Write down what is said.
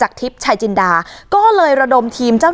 แล้วก็ไปซ่อนไว้ในคานหลังคาของโรงรถอีกทีนึง